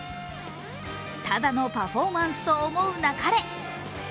ただのパフォーマンスと思うなかれ。